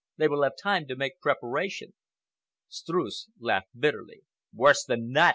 "They will have time to make preparation." Streuss laughed bitterly. "Worse than that!"